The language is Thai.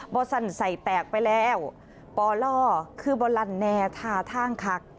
เบู้สันสัยแตกไปแล้วบ่อล่อคือเบ่ารันแนทาท่านคัก